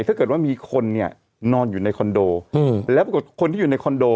ถ้าเกิดว่ามีคนเนี่ยนอนอยู่ในคอนโดแล้วปรากฏคนที่อยู่ในคอนโด